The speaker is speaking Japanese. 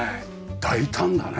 大胆だね。